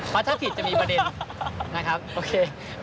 เพราะถ้าผิดจะมีประเด็นนะครับโอเค